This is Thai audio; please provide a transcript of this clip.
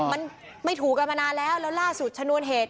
มันไม่ถูกกันมานานแล้วแล้วล่าสุดชนวนเหตุ